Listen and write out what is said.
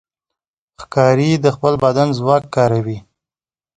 ښکاري د خپل بدن ځواک کاروي.